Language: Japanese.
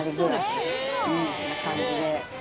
な感じで。